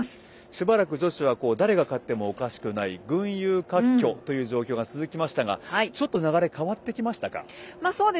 しばらく女子は誰が勝ってもおかしくない群雄割拠という状況が続きましたがちょっと流れが変わってきましたか。